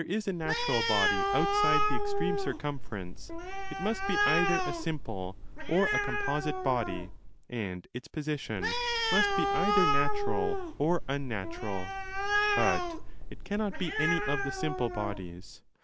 For if there is a natural body outside the extreme circumference it must be either a simple or a com posite body, and its position must be either natural or unnatural. But it cannot be any of the simple bodies.